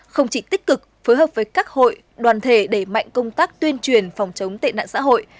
không chỉ tích cực phối hợp với các hội đoàn thể đẩy mạnh công tác tuyên truyền phòng chống tệ nạn xã hội